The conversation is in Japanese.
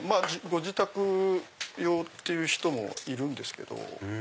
ご自宅用っていう人もいるんですけど。